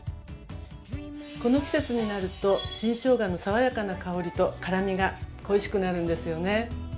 この季節になると新しょうがの爽やかな香りと辛みが恋しくなるんですよね。